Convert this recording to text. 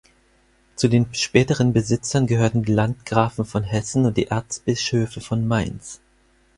Zu den späteren Besitzern gehörten die Landgrafen von Hessen und die Erzbischöfe von Mainz.